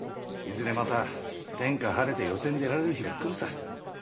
いずれまた天下晴れて寄席に出られる日が来るさ。